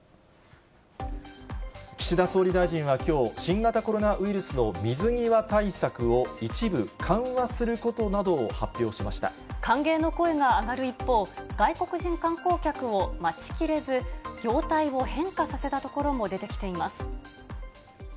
岸田総理大臣はきょう、新型コロナウイルスの水際対策を一部緩和することなどを発表しま歓迎の声が上がる一方、外国人観光客を待ちきれず、業態を変化させたところも出てきています。